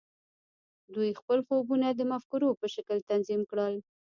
دوی خپل خوبونه د مفکورو په شکل تنظیم کړل